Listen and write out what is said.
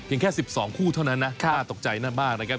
เพียงแค่สิบสองคู่เท่านั้นนะฆ่าตกใจนั่นมากนะครับ